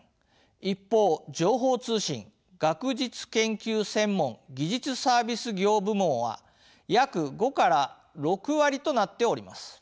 一方情報通信学術研究専門・技術サービス業部門は約５から６割となっております。